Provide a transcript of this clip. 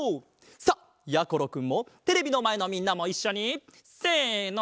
さあやころくんもテレビのまえのみんなもいっしょにせの。